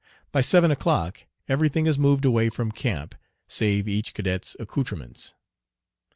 By seven o'clock every thing is moved away from camp, save each cadet's accoutrements.